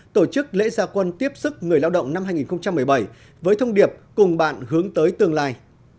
tổ chức lễ gia quân tiếp sức người lao động năm hai nghìn một mươi bảy với thông điệp cùng bạn hướng tới tương lai